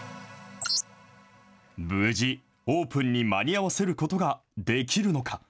無事、オープンに間に合わせることができるのか。